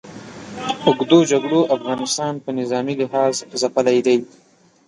اوږدو جګړو افغانستان په نظامي لحاظ ځپلی دی.